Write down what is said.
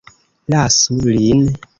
Lasu lin!